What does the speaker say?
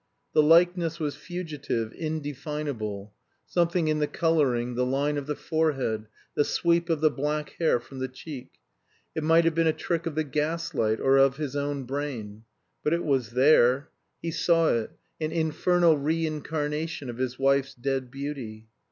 The likeness was fugitive, indefinable; something in the coloring, the line of the forehead, the sweep of the black hair from the cheek; it might have been a trick of the gaslight or of his own brain. But it was there; he saw it, an infernal reincarnation of his wife's dead beauty.